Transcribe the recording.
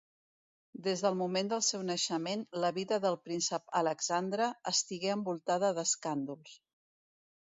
Des del moment del seu naixement, la vida del príncep Alexandre estigué envoltada d'escàndols.